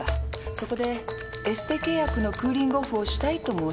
そこでエステ契約のクーリングオフをしたいと申し入れた。